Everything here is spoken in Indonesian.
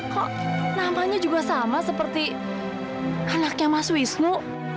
kok nampaknya juga sama seperti anaknya mas wisnu